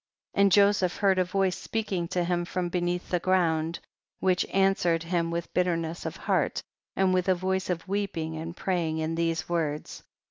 37. And Joseph heard a voice speaking to him from beneath the ground, which answered him with bitterness of heart, and with a voice of weeping and praying in these words ; 38.